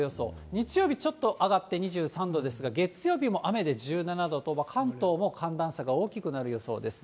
日曜日、ちょっと上がって２３度ですが、月曜日も雨で１７度と、関東も寒暖差が大きくなる予想です。